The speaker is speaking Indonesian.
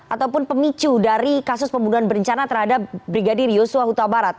ataupun pemicu dari kasus pembunuhan berencana terhadap brigadir yusuf wahutawabarat